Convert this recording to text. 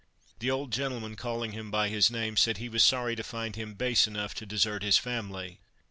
The old gentleman calling him by his name, said he was sorry to find him base enough to desert his family.